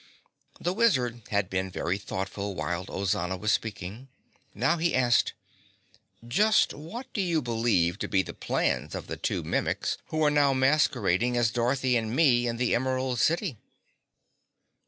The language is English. The Wizard had been very thoughtful while Ozana was speaking. Now he asked, "Just what do you believe to be the plans of the two Mimics who are now masquerading as Dorothy and me in the Emerald City?"